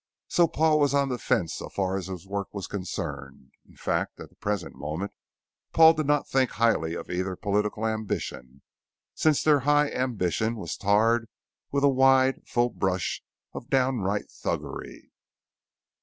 So Paul was on the fence so far as his work was concerned. In fact, at the present moment Paul did not think highly of either political ambition, since their high ambition was tarred with a wide, full brush of downright thuggery.